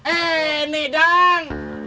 eh nih dang